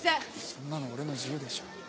そんなの俺の自由でしょ。